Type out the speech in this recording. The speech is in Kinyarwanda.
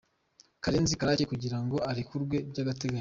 Karenzi Karake kugira ngo arekurwe by’agateganyo.